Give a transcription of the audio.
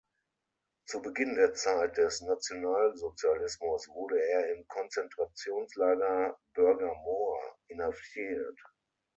Zu Beginn der Zeit des Nationalsozialismus wurde er im Konzentrationslager Börgermoor inhaftiert.